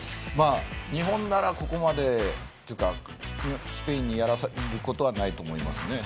日本ならここまでスペインにやられることはないと思います。